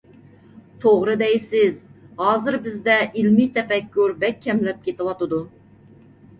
توغرا دەيسىز، ھازىر بىزدە ئىلمىي تەپەككۇر بەك كەملەپ كېتىۋاتىدۇ.